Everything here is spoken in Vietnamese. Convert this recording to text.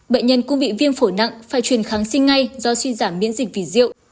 bệnh nhân cũng bị viêm phổi nặng phải truyền kháng sinh ngay do suy giảm miễn dịch vì rượu